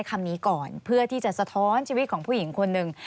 ความเป็นธรรมของผู้หญิงคนหนึ่ง